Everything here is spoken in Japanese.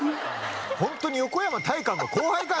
ホントに横山大観の後輩かい？